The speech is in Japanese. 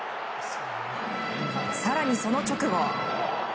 更に、その直後。